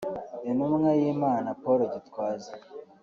Intumwa y’Imana Paul Gitwaza